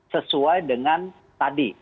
sesuai dengan tadi